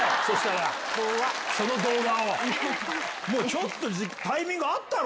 ちょっとタイミングあったろ！